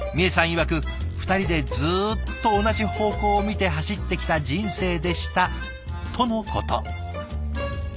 いわく２人でずっと同じ方向を見て走ってきた人生でしたとのこと。